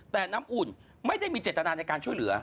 แต่น้ำอุ่นไม่ได้มีเจตนาในการช่วยเหลือ